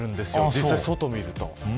実際、外を見ると。